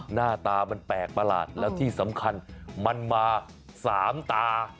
หน้าตามันแปลกประหลาดแล้วที่สำคัญมันมา๓ตา